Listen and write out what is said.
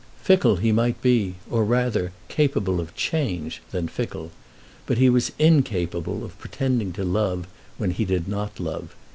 Fickle he might be; or rather capable of change than fickle; but he was incapable of pretending to love when he did not love.